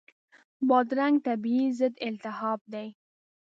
بادرنګ طبیعي ضد التهاب دی.